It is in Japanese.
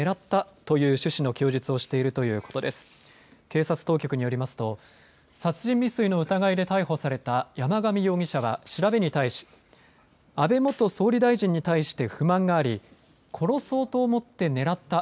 警察当局によりますと殺人未遂の疑いで逮捕された山上容疑者は調べに対し安倍元総理大臣に対して不満があり殺そうと思って狙った。